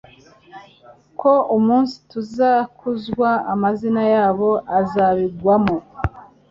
Ko umunsi tuzakuzwa amazina yabo azabigwamo